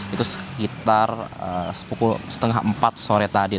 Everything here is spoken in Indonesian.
itu sekitar pukul setengah empat sore tadi